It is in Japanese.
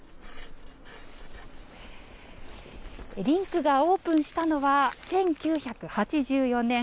リンクがオープンしたのは１９８４年。